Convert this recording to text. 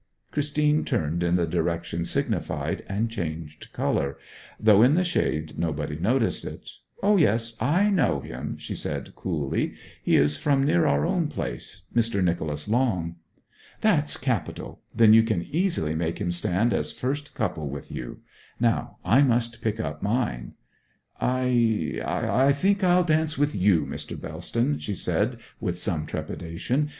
Christine turned in the direction signified, and changed colour though in the shade nobody noticed it, 'Oh, yes I know him,' she said coolly. 'He is from near our own place Mr. Nicholas Long.' 'That's capital then you can easily make him stand as first couple with you. Now I must pick up mine.' 'I I think I'll dance with you, Mr. Bellston,' she said with some trepidation.